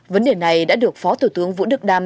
vấn đề này đã được phó thủ tướng vũ đức đam